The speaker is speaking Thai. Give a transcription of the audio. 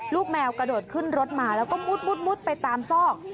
แมวกระโดดขึ้นรถมาแล้วก็มุดไปตามซอก